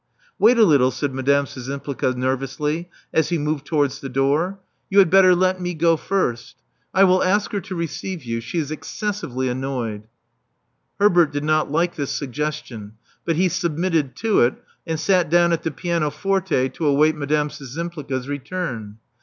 ''Wait a little," said Madame Szczympliga nervously, as he moved towards the door. •*You had better let 37 Love Among the Artists nic ^^o first: I will ask her to receive you. She is excessively annoyed." Herbert did not like this suggestion; but he sub mitted to it, and sat down at the pianoforte to await Madame Szczyrapliga's return.